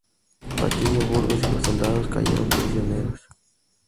Patiño, Burgos y los soldados cayeron prisioneros.